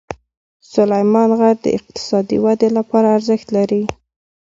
سلیمان غر د اقتصادي ودې لپاره ارزښت لري.